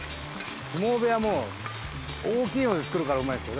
相撲部屋も大きいので作るからうまいんですよ。